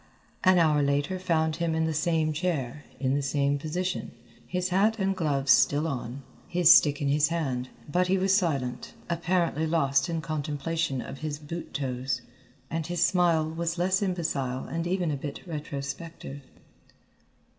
An hour later found him in the same chair, in the same position, his hat and gloves still on, his stick in his hand, but he was silent, apparently lost in contemplation of his boot toes, and his smile was less imbecile and even a bit retrospective.